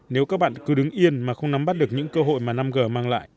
nếu các bạn cứ đứng yên mà không nắm bắt được những cơ hội mà năm g mang lại